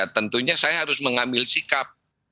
tentunya saya harus mengambil sikap